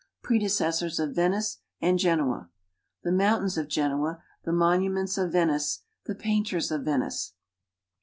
Predecessors of Venice and Genoa. The monuments of Genoa. The monuments of Venice. The painters of Venice.